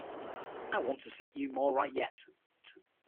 I want to set you more right yet.